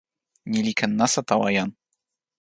ni li ken nasa tawa jan.